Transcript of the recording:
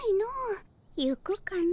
行くかの。